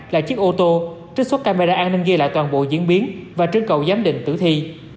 là chiếc ô tô trích xuất camera an ninh ghi lại toàn bộ diễn biến và trên cầu giám định tử thi